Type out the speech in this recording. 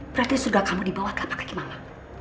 berarti surga kamu dibawah telapak kaki mama